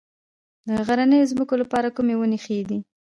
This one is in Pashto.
د غرنیو ځمکو لپاره کومې ونې ښې دي؟